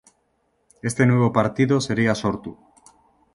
Este nuevo partido sería Sortu.